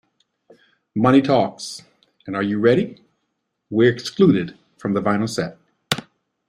"Moneytalks" and "Are You Ready" were excluded from the vinyl set.